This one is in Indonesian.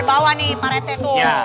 bawa nih pak rt tuh